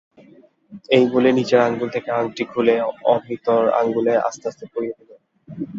এই বলে নিজের আঙুলের থেকে আংটি খুলে অমিতর আঙুলে আস্তে আস্তে পরিয়ে দিলে।